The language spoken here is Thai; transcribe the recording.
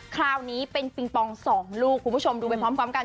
คราวนี้เป็นปิงปอง๒ลูกคุณผู้ชมดูไปพร้อมกัน